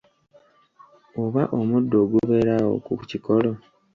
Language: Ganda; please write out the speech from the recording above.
Oba omuddo ogubeera awo ku kikolo.